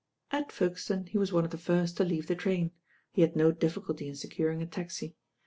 At Folkeuone he was one of the first to leave the train. He had no difficulty in securing a taxi.